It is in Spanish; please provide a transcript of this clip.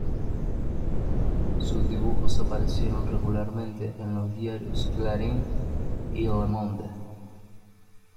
Sus dibujos aparecieron regularmente en los diarios "Clarín" y "Le Monde".